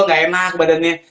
gak enak badannya